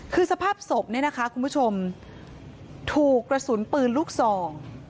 คือสภาพศพเนี่ยนะคะคุณผู้ชมถูกกระสุนปืนลูกซอง